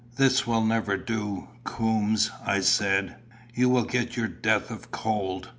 "This will never do, Coombes," I said. "You will get your death of cold.